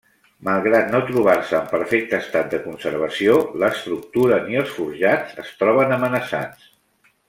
Malgrat no trobar-se en perfecte estat de conservació, l'estructura ni els forjats es troben amenaçats.